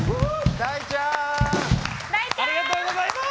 大ちゃん！ありがとうございます！